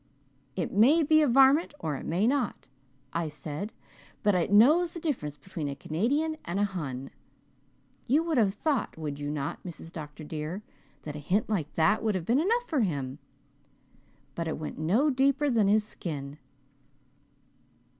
'It may be a varmint or it may not,' I said, 'but it knows the difference between a Canadian and a Hun.' You would have thought, would you not, Mrs. Dr. dear, that a hint like that would have been enough for him! But it went no deeper than his skin.